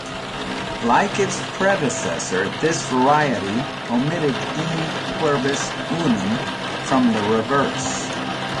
Like its predecessor, this variety omitted E Pluribus Unum from the reverse.